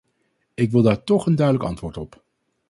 Ik wil daar toch een duidelijk antwoord op.